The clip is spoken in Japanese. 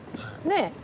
ねえ！